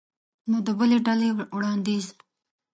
نو د بلې ډلې وړاندیز